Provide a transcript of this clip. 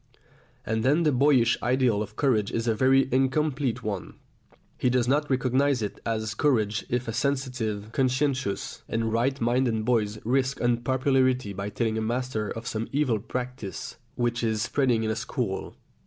And then the boyish ideal of courage is a very incomplete one. He does not recognise it as courage if a sensitive, conscientious, and right minded boy risks unpopularity by telling a master of some evil practice which is spreading in a school.